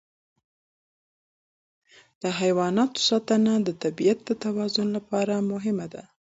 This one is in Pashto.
د حیواناتو ساتنه د طبیعت د توازن لپاره مهمه ده.